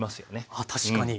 あっ確かに。